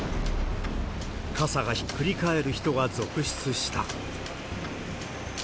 傘がひっくり返る人が続出した。